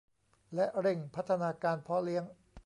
และเร่งพัฒนาการเพาะเลี้ยง